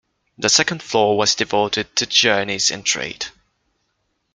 The second floor was devoted to journeys and trade.